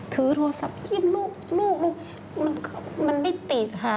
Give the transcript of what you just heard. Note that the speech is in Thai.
ถือโทรศัพท์ลูกมันไม่ติดค่ะ